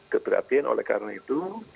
keprihatin oleh karena itu